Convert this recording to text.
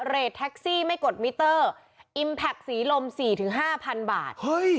เรทแท็กซี่ไม่กดมิเตอร์อิมแพคสีลมสี่ถึงห้าพันบาทเฮ้ย